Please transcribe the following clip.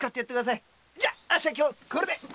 じゃあっしは今日はこれで。